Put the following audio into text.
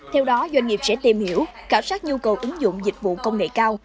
theo đó doanh nghiệp sẽ tìm hiểu khảo sát nhu cầu ứng dụng dịch vụ công nghệ cao